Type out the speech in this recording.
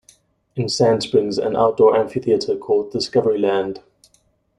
In Sand Springs, an outdoor amphitheater called Discoveryland!